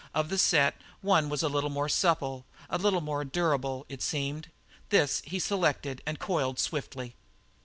Of the set one was a little more supple, a little more durable, it seemed. This he selected and coiled swiftly.